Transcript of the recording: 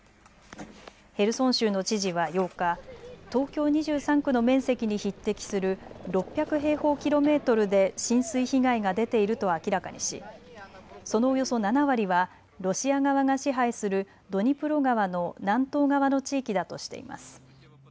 ヘルソン州の知事は８日、東京２３区の面積に匹敵する６００平方キロメートルで浸水被害が出ていると明らかにしそのおよそ７割はロシア側が支配するドニプロ川の南東側の地域だとしています。